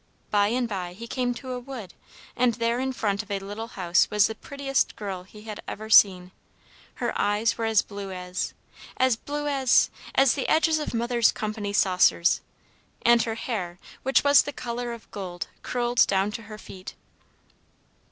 By and by he came to a wood, and there in front of a little house was the prettiest girl he had ever seen. Her eyes were as blue as, as blue as as the edges of mother's company saucers! And her hair, which was the color of gold, curled down to her feet.